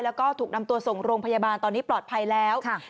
แล้วก็ถูกนำตัวส่งโรงพยาบาลตอนนี้ปลอดภัยแล้ว